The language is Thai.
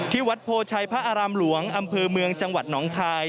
วัดโพชัยพระอารามหลวงอำเภอเมืองจังหวัดหนองคาย